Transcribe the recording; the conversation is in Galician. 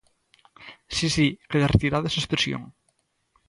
Si, si, queda retirada esa expresión.